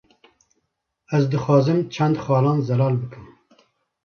Ez dixwazim çend xalan zelal bikim